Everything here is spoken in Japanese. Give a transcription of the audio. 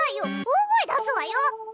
大声出すわよ！